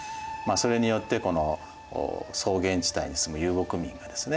それによってこの草原地帯に住む遊牧民がですね